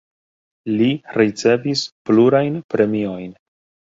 Li ricevis plurajn premiojn.